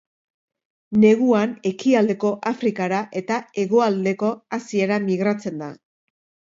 Neguan ekialdeko Afrikara eta hegoaldeko Asiara migratzen da.